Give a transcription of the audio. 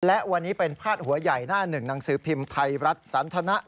และวันนี้เป็นพาดหัวใหญ่หน้าหนึ่งหนังสือพิมพ์ไทยรัฐสันทนะ